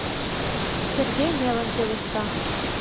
— Сергей нелын пелешта.